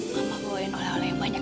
mama bawain oleh oleh yang banyak